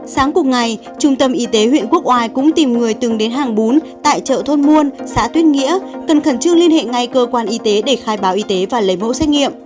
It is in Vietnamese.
sáng cùng ngày trung tâm y tế huyện quốc oai cũng tìm người từng đến hàng bún tại chợ thôn muôn xã tuyết nghĩa cần khẩn trương liên hệ ngay cơ quan y tế để khai báo y tế và lấy mẫu xét nghiệm